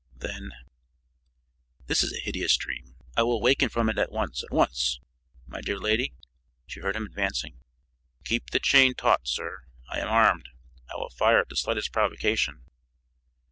Then: "This is a hideous dream. I will waken from it at once at once. My dear lady " She heard him advancing. "Keep the chain taut, sir, I am armed; I will fire at the slightest provocation."